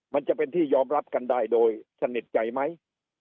มันจะเป็นที่ยอมรับกันได้โดยสนิทใจไหม